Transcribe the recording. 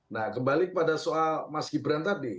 nah kembali kepada soal mas gibran tadi